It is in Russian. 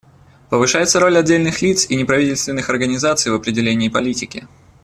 Повышается роль отдельных лиц и неправительственных организаций в определении политики.